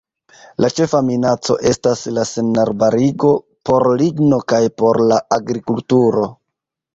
La ĉefa minaco estas la senarbarigo por ligno kaj por la agrikulturo.